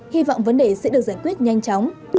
hy vọng vấn đề sẽ được giải quyết nhanh chóng